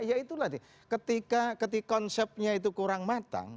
ya itulah nih ketika konsepnya itu kurang matang